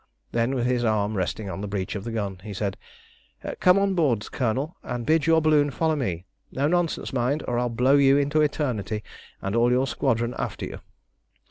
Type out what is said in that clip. Then, with his arm resting on the breach of the gun, he said, "Come on board, Colonel, and bid your balloon follow me. No nonsense, mind, or I'll blow you into eternity and all your squadron after you."